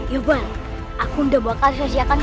iya pak aku udah bakal siapkan